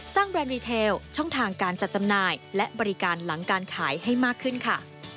แบรนด์รีเทลช่องทางการจัดจำหน่ายและบริการหลังการขายให้มากขึ้นค่ะ